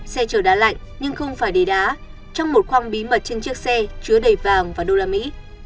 xe chở đá lạnh nhưng không phải để đá trong một khoang bí mật trên chiếc xe chứa đầy vàng và đô la mỹ